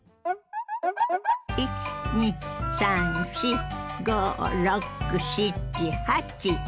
１２３４５６７８。